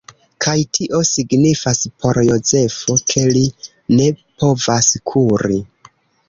Kaj tio signifas por Jozefo ke li ne povas kuri.